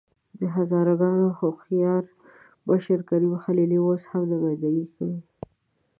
د هزاره ګانو هوښیار مشر کریم خلیلي اوس هم نمايندګي کوي.